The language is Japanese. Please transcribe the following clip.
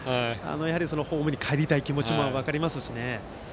ホームにかえりたい気持ちも分かりますしね。